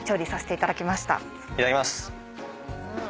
いただきます。